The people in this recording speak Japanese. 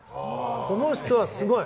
この人はすごい。